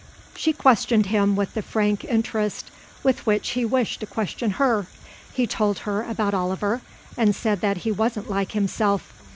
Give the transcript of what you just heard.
She questioned him with the frank interest with which he wished to question her. He told her about Oliver and said that he wasn't like himself.